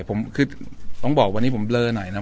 ผมคือต้องบอกวันนี้ผมเบลอหน่อยนะ